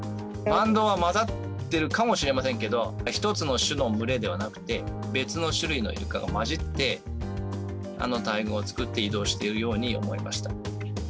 バンドウが交ざっているかもしれませんけど、１つの種の群れではなくて、別の種類のイルカが交じって、あの大群を作って移動しているように思えました。